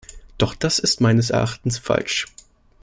Doch das ist meines Erachtens falsch.